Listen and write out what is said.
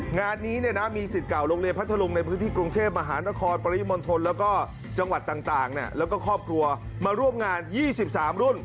งานนี้เนี่ยนะมีศิษย์เก่าโรงเรียนพัฒนธรรมในพื้นที่กรุงเทพมหานครปริมณฑลแล้วก็จังหวัดต่างเนี่ยแล้วก็ครอบครัวมาร่วมงานยี่สิบสามรุ่น